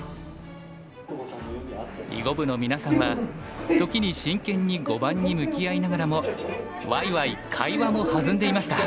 囲碁部のみなさんは時に真剣に碁盤に向き合いながらもわいわい会話も弾んでいました。